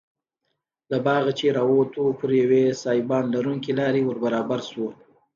له باغه چې راووتو پر یوې سایبان لرونکې لارې وربرابر شوو.